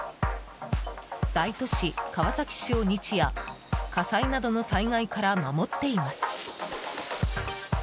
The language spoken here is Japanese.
大都市・川崎市を日夜火災などの災害から守っています。